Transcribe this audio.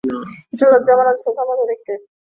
একটা লজ্জাবনত শসার মতো দেখতে।